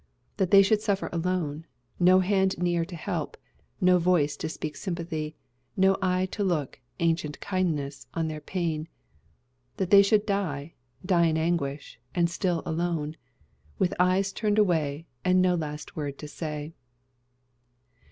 That they should suffer alone; no hand near to help, no voice to speak sympathy, no eye to look "ancient kindness" on their pain. That they should die die in anguish and still alone, "With eyes turned away, And no last word to say."